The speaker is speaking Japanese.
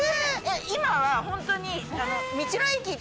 今はホントに。